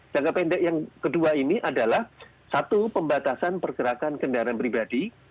jangka pendek yang kedua ini adalah satu pembatasan pergerakan kendaraan pribadi